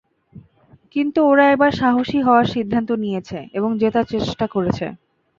কিন্তু ওরা এবার সাহসী হওয়ার সিদ্ধান্ত নিয়েছে এবং জেতার চেষ্টা করেছে।